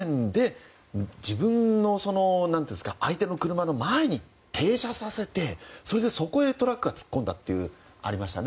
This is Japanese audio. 例えば少し前に高速道路で追い抜き車線で自分の相手の車の前に停車させてそれでそこへトラックが突っ込んだというのがありましたね。